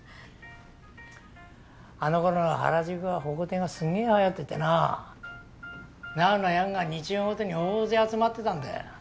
あのころの原宿はホコテンがすげえ流行っててなナウなヤングが日曜ごとに大勢集まってたんだよ。